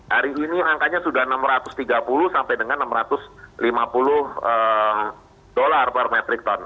hari ini angkanya sudah enam ratus tiga puluh sampai dengan enam ratus lima puluh dolar per metric ton